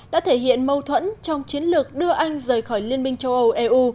đã thể hiện mâu thuẫn trong chiến lược đưa anh rời khỏi liên minh châu âu eu